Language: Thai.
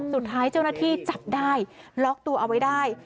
สุดท้ายเจ้าหน้าที่จับได้ล็อกตัวเอาไว้ได้